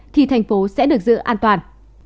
thì thành phố sẽ được giữ an toàn